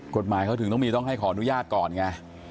กฎหมายเขาถึงต้องมีต้องให้ขออนุญาตก่อนไง